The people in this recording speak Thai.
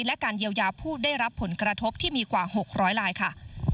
และการเยียวยาผู้ได้รับผลกระทบที่มีกว่า๖๐๐ลายค่ะ